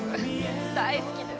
大好きです。